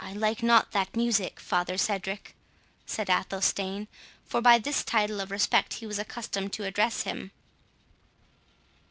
"I like not that music, father Cedric," said Athelstane; for by this title of respect he was accustomed to address him.